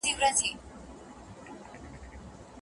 کلونه کيږي چې يې زه د راتلو لارې څارم